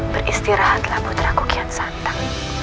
beristirahatlah putra kukian santan